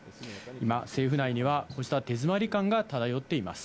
今、政府内には、こうした手詰まり感が漂っています。